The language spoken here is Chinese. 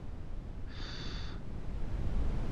陈奇的作品以人物画和油画见长。